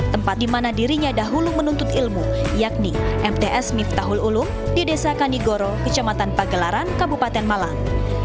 tempat di mana dirinya dahulu menuntut ilmu yakni mts miftahul ulum di desa kanigoro kecamatan pagelaran kabupaten malang